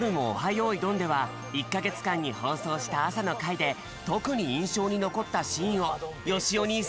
よーいどん」では１か月間に放送した朝の会で特に印象に残ったシーンをよしおお兄さんが厳選。